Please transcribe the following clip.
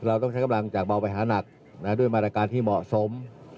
เราต้องใช้กำลังจากเบาไปหานักด้วยมาตรการที่เหมาะสม